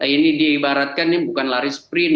ini diibaratkan ini bukan lari sprint